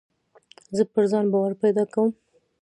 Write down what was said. زه پر ځان باور پیدا کوم.